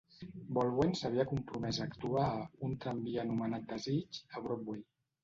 Baldwin s'havia compromès a actuar a "Un tramvia anomenat desig" a Broadway.